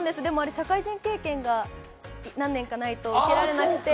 社会人経験が何年かないと受けられなくて。